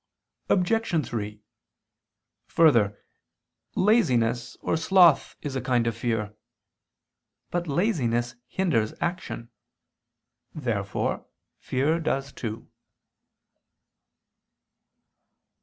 Obj. 3: Further, laziness or sloth is a kind of fear. But laziness hinders action. Therefore fear does too.